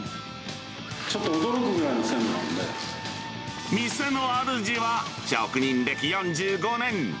ちょっと驚くぐらいの鮮度な店の主は、職人歴４５年。